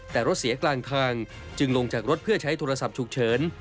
แต่รถเสียกลางทางจึงลงจากรถเพื่อใช้โทรศัพท์ฉุกเฉิน